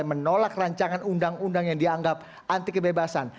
menolak rancangan undang undang yang dianggap anti kebebasan